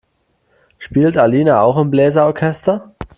Spielt Alina auch im Bläser-Orchester?